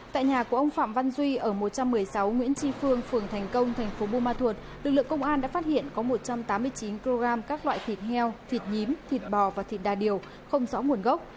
tại nhà của ông phạm văn duy ở một trăm một mươi sáu nguyễn tri phương phường thành công thành phố buôn ma thuột lực lượng công an đã phát hiện có một trăm tám mươi chín kg các loại thịt heo thịt nhím thịt bò và thịt đa điều không rõ nguồn gốc